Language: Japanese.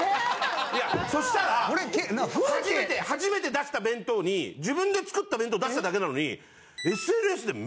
そしたら初めて出した弁当に自分で作った弁当出しただけなのにＳＮＳで。